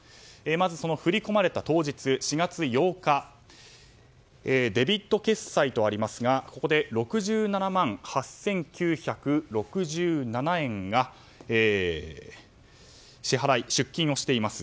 まず、振り込まれた当日４月８日デビット決済とありますがここで６７万８９６７円が支払、出金をしています。